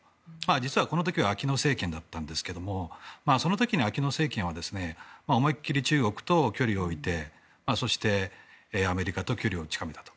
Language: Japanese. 実は、この時はアキノ政権だったんですがその時、アキノ政権は思いっきり、中国と距離を置いてそして、アメリカと距離を近めたと。